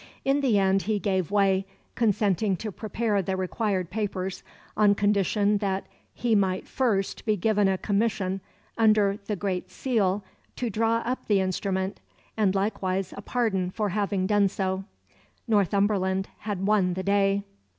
In the end he gave way, consenting to prepare the required papers, on condition that he might first be given a commission under the great seal to draw up the instrument, and likewise a pardon for having done so. Northumberland had won the day.